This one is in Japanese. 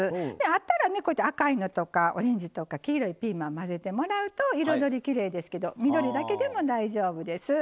あったら赤いのとかオレンジとか黄色いピーマンまぜてもらうと彩りがきれいですけど緑だけでも大丈夫です。